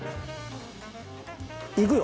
いくよ？